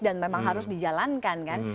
dan memang harus dijalankan kan